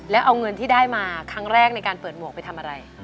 แล้วเอาเงินที่ได้มาครั้งแรกในการเปิดหมวกไปทำอะไร